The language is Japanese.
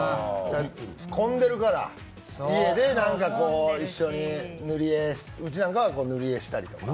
混んでるから、家でなんか一緒に、うちなんかは塗り絵したりとか。